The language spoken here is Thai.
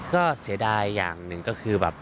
ก็เสียดายอย่างหนึ่งก็คือแบบ